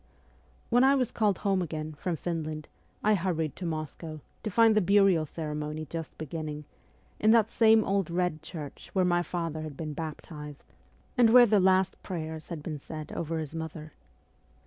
When I was called home again, from Finland, I hurried to Moscow, to find the burial ceremony just beginning, in that same old red church where my father had been baptized, and where the last prayers had been said over his mother.